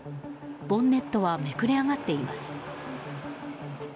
ボンネットはめくれ上がっています。